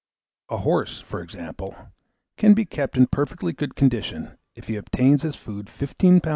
A horse, for example, can be kept in perfectly good condition, if he obtain as food 15 lbs.